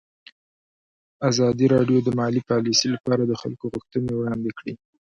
ازادي راډیو د مالي پالیسي لپاره د خلکو غوښتنې وړاندې کړي.